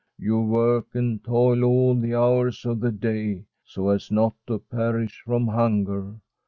You work and toil all the hours of the day so as not to perish from hunger.